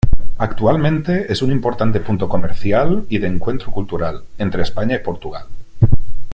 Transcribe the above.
Actualmente es un importante punto comercial y de encuentro cultural entre España y Portugal.